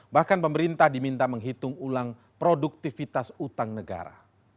bahkan pemerintah diminta menghitung ulang produktivitas utang negara